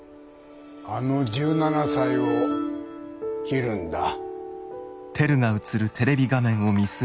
あの１７才を切るんだ。